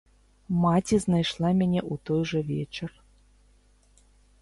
Маці знайшла мяне ў той жа вечар.